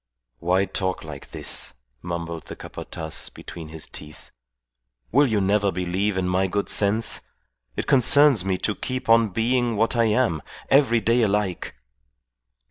"Why talk like this?" mumbled the Capataz between his teeth. "Will you never believe in my good sense? It concerns me to keep on being what I am: every day alike."